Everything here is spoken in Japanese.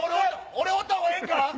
俺おったほうがええんか？